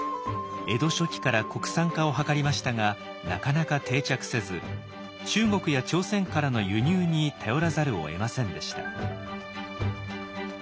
江戸初期から国産化を図りましたがなかなか定着せず中国や朝鮮からの輸入に頼らざるをえませんでした。